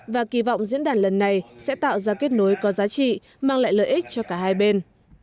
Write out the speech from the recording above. và kỳ vọng diễn đàn lần này sẽ tạo ra kết nối có giá trị mang lại lợi ích cho cả hai bên